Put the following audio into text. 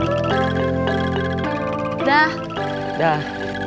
dia juga bebek zijn